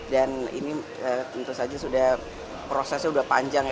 dan ini tentu saja prosesnya sudah panjang ya